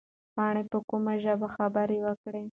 پاڼې په کومه ژبه خبره وکړه؟